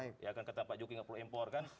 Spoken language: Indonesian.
ya kan kata pak jokowi nggak perlu impor kan